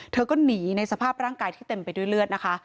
เธอก็หนีในสภาพร่างกายที่เต็มไปด้วยเลือดนะคะ